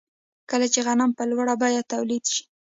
کله چې غنم په لوړه بیه تولید شي